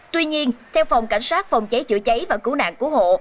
tuy nhiên theo phòng cảnh sát phòng cháy chữa cháy và cứu nạn cứu hộ